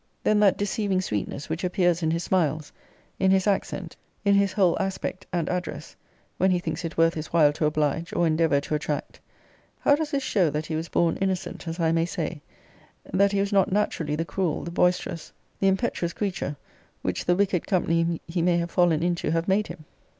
Then that deceiving sweetness which appears in his smiles, in his accent, in his whole aspect, and address, when he thinks it worth his while to oblige, or endeavour to attract, how does this show that he was born innocent, as I may say; that he was not naturally the cruel, the boisterous, the impetuous creature, which the wicked company he may have fallen into have made him!